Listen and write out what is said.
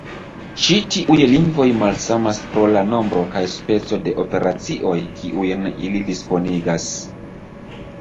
Ĉi tiuj lingvoj malsamas pro la nombro kaj speco de operacioj kiujn ili disponigas.